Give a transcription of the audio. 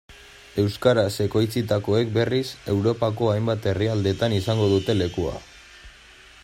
Euskaraz ekoitzitakoek berriz, Europako hainbat herrialdetan izango dute lekua.